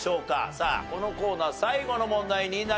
さあこのコーナー最後の問題になります。